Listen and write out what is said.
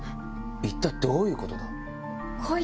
一体どういうことだ？